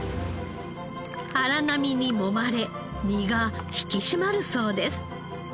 荒波にもまれ身が引き締まるそうです。